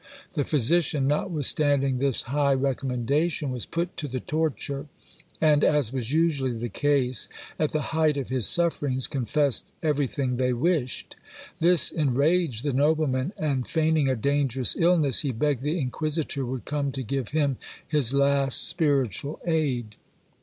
The physician, notwithstanding this high recommendation, was put to the torture; and, as was usually the case, at the height of his sufferings confessed everything they wished! This enraged the nobleman, and feigning a dangerous illness he begged the inquisitor would come to give him his last spiritual aid.